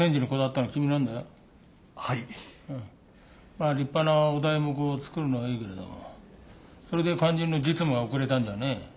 まあ立派なお題目を作るのはいいけれどもそれで肝心の実務が遅れたんじゃねえ。